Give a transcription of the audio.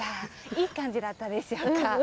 いい感じだったでしょうか。